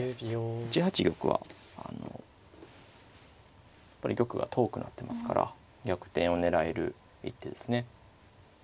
１八玉はやっぱり玉が遠くなってますから逆転を狙える一手ですね。